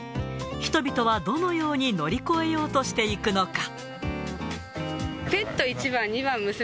人々はどのように乗り越えようとしていくのか。